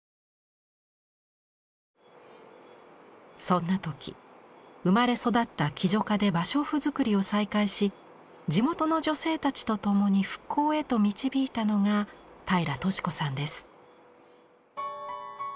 そんな時生まれ育った喜如嘉で芭蕉布作りを再開し地元の女性たちとともに復興へと導いたのが平良敏子さんです。